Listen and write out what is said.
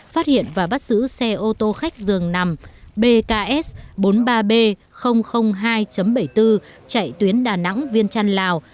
phát hiện và bắt giữ xe ô tô khách dường nằm bk bốn mươi ba b hai bảy mươi bốn chạy tuyến đà nẵng viên trăn lào